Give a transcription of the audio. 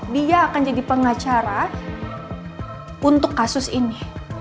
dia akan jadi pengacara untuk kasus ini